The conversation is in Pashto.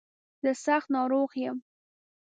زه سخت ناروغ يم.